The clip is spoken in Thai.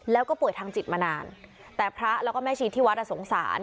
แล้วก็ป่วยทางจิตมานานแต่พระแล้วก็แม่ชีที่วัดสงสาร